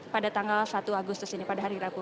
pada tanggal satu agustus ini pada hari rabu